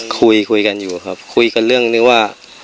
คุยกันอยู่ครับคุยกันเรื่องนี้ว่า